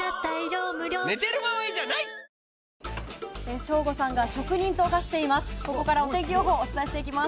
省吾さんが職人と化しています。